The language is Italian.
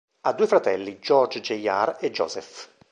Ha due fratelli, George Jr. e Joseph.